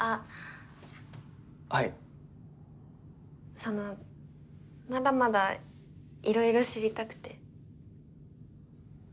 そのまだまだいろいろ知りたくて。